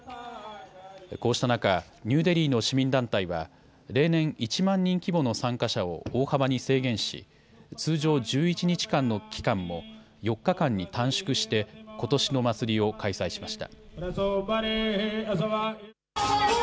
こうした中、ニューデリーの市民団体は例年１万人規模の参加者を大幅に制限し通常１１日間の期間も４日間に短縮してことしの祭りを開催しました。